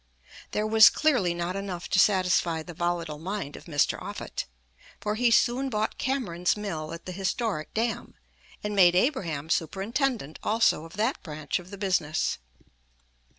There was clearly not enough to satisfy the volatile mind of Mr. Offutt, for he soon bought Cameron's mill at the historic dam, and made Abraham superintendent also of that branch of the business.